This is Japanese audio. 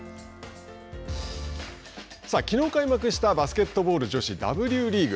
きのう開幕したバスケットボール女子Ｗリーグ。